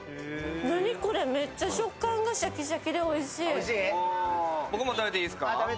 何これ、めっちゃ食感がシャキシャキでおいしい。